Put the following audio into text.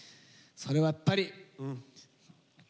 それはやっぱり花です！